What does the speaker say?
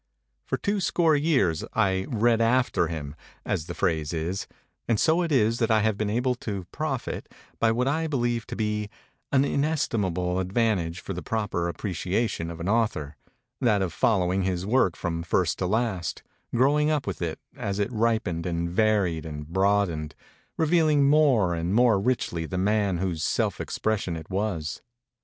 For two score years I "read after him," as the phrase is; and so it is that I have been able to profit by what I believe to be an inestimable advantage for the proper appreciation of an author, that of following his work from first to last, growing up with it, as it ripened and varied and broadened, revealing more and more richly the man whose self ex pression it was.